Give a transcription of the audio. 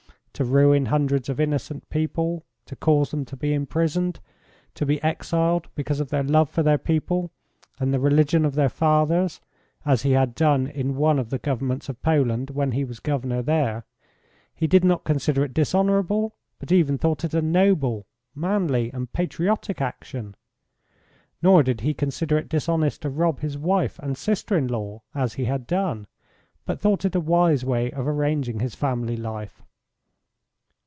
To ruin hundreds of innocent people, to cause them to be imprisoned, to be exiled because of their love for their people and the religion of their fathers, as he had done in one of the governments of Poland when he was governor there. He did not consider it dishonourable, but even thought it a noble, manly and patriotic action. Nor did he consider it dishonest to rob his wife and sister in law, as he had done, but thought it a wise way of arranging his family life.